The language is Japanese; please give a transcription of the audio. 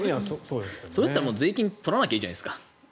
それだったら税金取らなきゃいいじゃないですか。